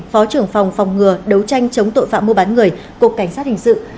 phó trưởng phòng phòng ngừa đấu tranh chống tội phạm mua bán người cục cảnh sát hình sự